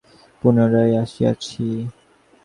আমি ও অচ্যুত পুনরায় এ স্থানে আসিয়াছি।